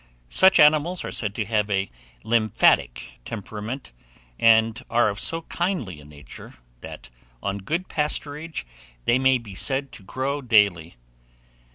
Such animals are said to have a lymphatic temperament, and are of so kindly a nature, that on good pasturage they may be said to grow daily.